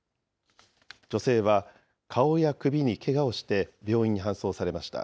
女性は顔や首にけがをして病院に搬送されました。